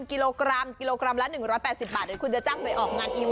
นี่ทองไหม